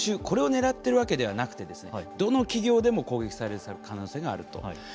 これを狙っているわけではなくてどの企業でも攻撃される可能性があると。